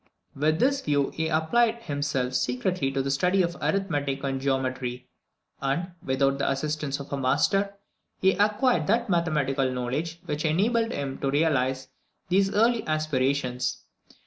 With this view, he applied himself secretly to the study of arithmetic and geometry; and, without the assistance of a master, he acquired that mathematical knowledge which enabled him to realise these early aspirations.